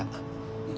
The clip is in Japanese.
うん。